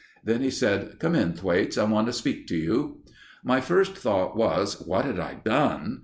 Then he said: "Come in, Thwaites; I want to speak to you." My first thought was what had I done?